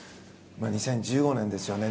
２０１５年ですよね。